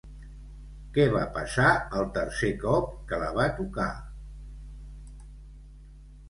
Què va passar el tercer cop que la va tocar?